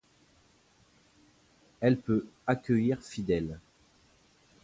Elle peut accueillir fidèles.